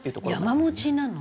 山持ちなの？